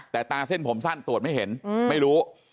แต่ตาเส้นผมสั้นตรวจไม่เห็นไม่รู้